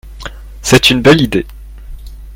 C'est une belle idée.